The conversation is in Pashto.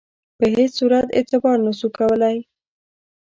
په هیڅ صورت اعتبار نه سو کولای.